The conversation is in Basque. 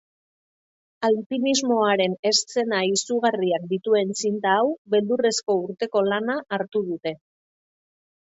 Alpinismoaren eszena izugarriak dituen zinta hau beldurrezko urteko lana hartu dute.